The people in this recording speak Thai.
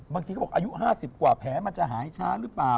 เขาบอกอายุ๕๐กว่าแผลมันจะหายช้าหรือเปล่า